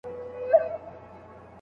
استاد د څېړني په اړه لارښووني کولې.